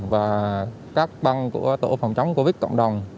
và các băng của tổ phòng chống covid cộng đồng